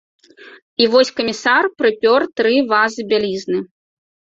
І вось камісар прыпёр тры вазы бялізны.